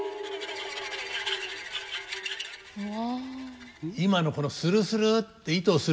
うわ。